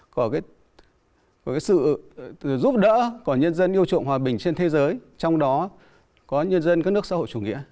của sự giúp đỡ của nhân dân yêu chuộng hòa bình trên thế giới trong đó có nhân dân các nước xã hội chủ nghĩa